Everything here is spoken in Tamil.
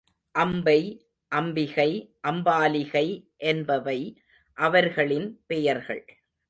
அம்பை, அம்பிகை, அம்பாலிகை என்பவை அவர்களின் பெயர்கள்.